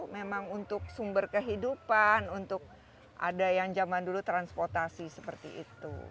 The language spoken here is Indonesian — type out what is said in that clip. memang untuk sumber kehidupan untuk ada yang zaman dulu transportasi seperti itu